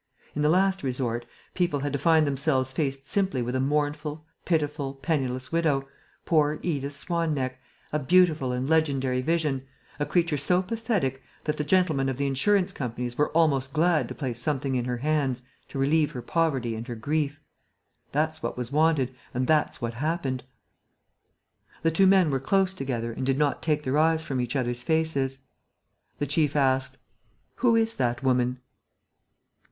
In the last resort, people had to find themselves faced simply with a mournful, pitiful, penniless widow, poor Edith Swan neck, a beautiful and legendary vision, a creature so pathetic that the gentlemen of the insurance companies were almost glad to place something in her hands to relieve her poverty and her grief. That's what was wanted and that's what happened." The two men were close together and did not take their eyes from each other's faces. The chief asked: "Who is that woman?"